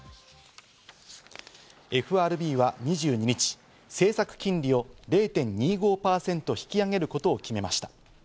ＦＲＢは２２日、政策金利を０．２５％引き上げることを決めました。